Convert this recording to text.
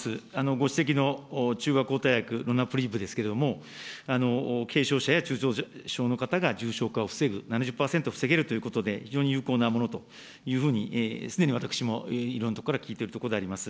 ご指摘の中和抗体薬、ロナプリーブですけれども、軽症者や中等症の方が重症化を防ぐ、７０％防げるということで、非常に有効なものというふうに、すでに私もいろんなところから聞いているところであります。